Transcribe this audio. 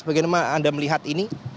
bagaimana anda melihat ini